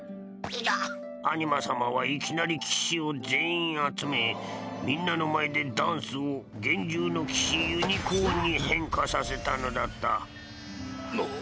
アニマ様はいきなり騎士を全員集めみんなの前でダンスを幻獣の騎士ユニコーンに変化させたのだったなっ。